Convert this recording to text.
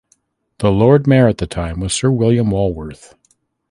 The Lord Mayor at the time was Sir William Walworth.